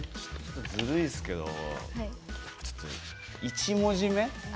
ずるいですけど１文字目。